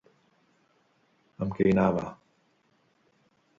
Amb qui hi anava?